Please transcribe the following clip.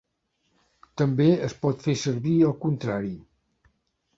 També es pot fer servir el contrari.